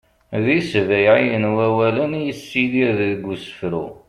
d isbayɛiyen wawalen i yessidir deg usefru